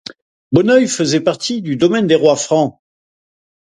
Bonneuil faisait partie du domaine des rois francs.